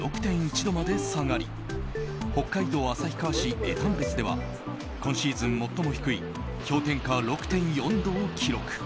６．１度まで下がり北海道旭川市江丹別では今シーズン最も低い氷点下６．４度を記録。